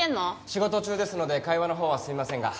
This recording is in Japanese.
仕事中ですので会話のほうはすみませんが。